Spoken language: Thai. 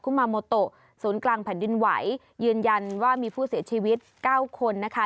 คุณาโมโตศูนย์กลางแผ่นดินไหวยืนยันว่ามีผู้เสียชีวิตเก้าคนนะคะ